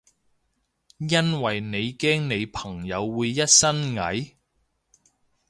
因為你驚你朋友會一身蟻？